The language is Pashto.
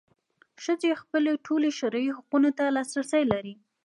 ښځې خپلو ټولو شرعي حقونو ته لاسرسی لري.